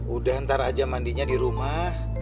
udah ntar aja mandinya di rumah